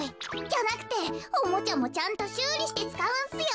じゃなくておもちゃもちゃんとしゅうりしてつかうんすよ。